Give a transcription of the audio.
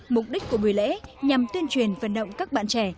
mục đích của buổi lễ nhằm tuyên truyền vận động các bạn trẻ